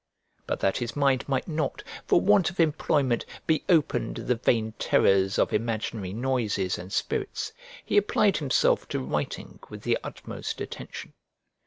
But that his mind might not, for want of employment, be open to the vain terrors of imaginary noises and spirits, he applied himself to writing with the utmost attention.